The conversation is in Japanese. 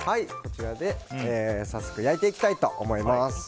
早速、焼いていきたいと思います。